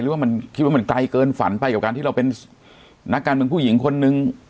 หรือว่ามันคิดว่ามันไกลเกินฝันไปกับการที่เราเป็นนักการเมืองผู้หญิงคนนึง